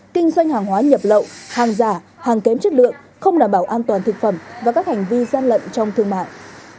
kinh doanh hàng hóa nhập lậu hàng giả hàng kém chất lượng không đảm bảo an toàn thực phẩm và các hành vi gian lận trong thương mại